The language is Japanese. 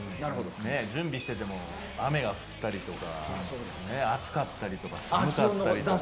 準備していても雨が降ったりとか暑かったりとか。